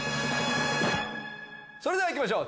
それでは行きましょう！